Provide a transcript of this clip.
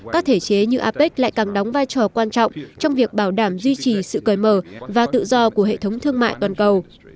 các thể chế như apec lại càng đóng vai trò quan trọng trong việc bảo đảm duy trì sự cởi mở và tự do của hệ thống thương mại toàn cầu